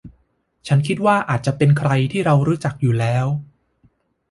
ฉันคิดว่าอาจจะเป็นใครที่เรารู้จักอยู่แล้ว